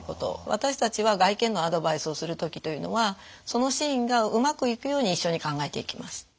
私たちは外見のアドバイスをする時というのはそのシーンがうまくいくように一緒に考えていきます。